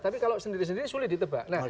tapi kalau sendiri sendiri sulit ditebak